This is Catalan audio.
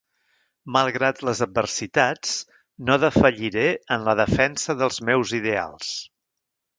Malgrat les adversitats, no defalliré en la defensa dels meus ideals.